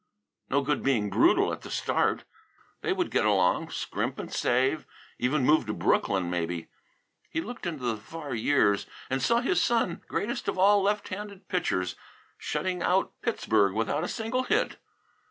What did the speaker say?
No good being brutal at the start. They would get along; scrimp and save; even move to Brooklyn, maybe. He looked into the far years and saw his son, greatest of all left handed pitchers, shutting out Pittsburgh without a single hit.